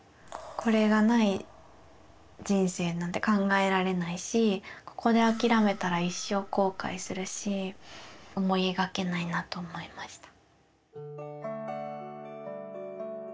これがない人生なんて考えられないしここで諦めたら一生後悔するし思い描けないなと思いました。